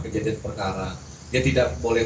kejadian perkara dia tidak boleh